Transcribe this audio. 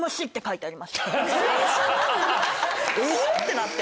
てなって。